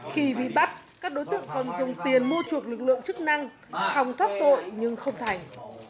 khi bị bắt các đối tượng còn dùng tiền mua chuộc lực lượng chức năng hòng thoát tội nhưng không thành